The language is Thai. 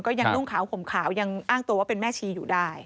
ยังนุ่งขาวห่มขาวยังอ้างตัวว่าเป็นแม่ชีอยู่ได้